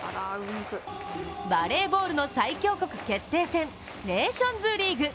バレーボールの最強国決定戦ネーションズリーグ。